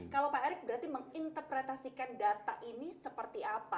kalau pak erick berarti menginterpretasikan data ini seperti apa